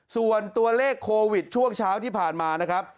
ส่วนตัวเลขโควิดช่วงเช้าที่ผ่านมานะครับ